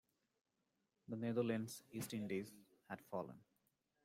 The Netherlands East Indies had fallen.